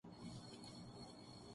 یہ عمل پہلی بار نہ ہو گا۔